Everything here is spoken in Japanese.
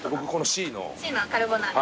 Ｃのカルボナーラ。